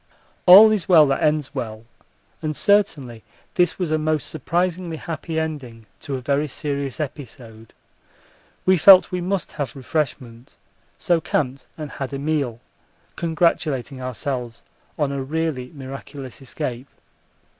All is well that ends well, and certainly this was a most surprisingly happy ending to a very serious episode. We felt we must have refreshment, so camped and had a meal, congratulating ourselves on a really miraculous escape.